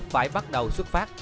phải bắt đầu xuất phát